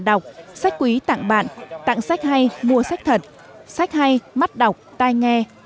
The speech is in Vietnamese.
đọc sách quý tặng bạn tặng sách hay mua sách thật sách hay mắt đọc tai nghe